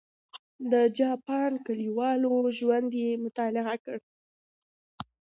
د جاپان کلیوالو ژوند یې مطالعه کړ.